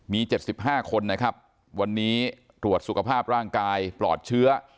มี๗๕คนนะครับวันนี้ตรวจสุขภาพร่างกายปลอดเชื้อ